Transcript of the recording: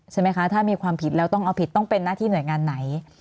ใช่ไหมคะถ้ามีความผิดแล้วต้องเอาผิดต้องเป็นหน้าที่หน่วยงานไหน